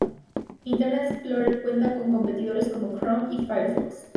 Internet Explorer cuenta con competidores como Chrome y Firefox.